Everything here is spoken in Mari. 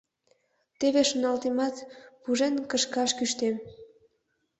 Теве шоналтемат, пужен кышкаш кӱштем.